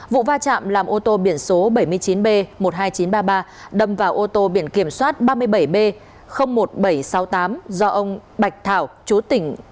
vụ va chạm làm ô tô biển số bảy mươi chín b một mươi hai nghìn chín trăm ba mươi ba đâm vào ô tô biển kiểm soát ba mươi bảy b một nghìn bảy trăm sáu mươi tám do ông bạch thảo